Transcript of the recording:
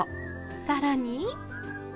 更に。